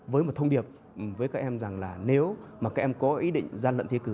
với một thông điệp với các em rằng là nếu mà các em có ý định gian lận thi cử